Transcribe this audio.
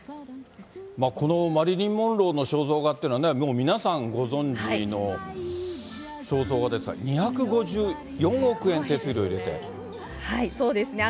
このマリリン・モンローの肖像画っていうのは、もう皆さんご存じの肖像画ですが、２５４億円、そうですね。